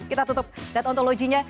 kita tutup data ontologinya